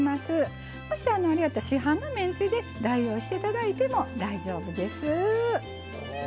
もしあれやったら市販のめんつゆで代用して頂いても大丈夫です。